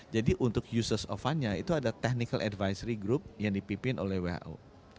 jadi untuk uses of fund nya itu ada technical advisory group yang dipimpin oleh who